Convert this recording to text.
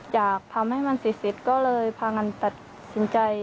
อยากทำให้มันเสร็จก็เลยพากันตัดสินใจ